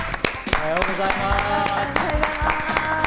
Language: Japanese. おはようございます。